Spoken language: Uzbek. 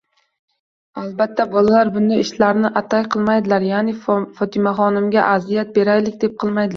Albatta, bolalar bunda ishlarni atay qilmaydilar. Ya'ni Fotimaxonimga aziyat beraylik deb qilmaydilar.